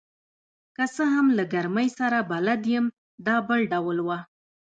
که څه هم له ګرمۍ سره بلد یم، دا بل ډول وه.